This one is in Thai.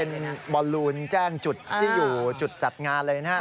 เป็นบอลลูนแจ้งจุดที่อยู่จุดจัดงานเลยนะครับ